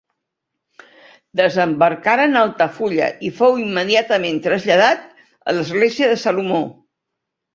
Desembarcaren a Altafulla i fou immediatament traslladat a l'església de Salomó.